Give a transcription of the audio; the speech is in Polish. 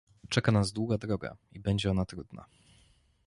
Czeka nas długa droga, i będzie ona trudna